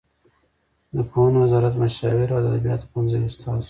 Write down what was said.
د پوهنې وزارت مشاور او د ادبیاتو پوهنځي استاد شو.